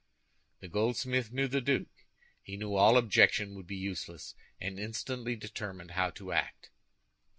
The goldsmith knew the duke. He knew all objection would be useless, and instantly determined how to act.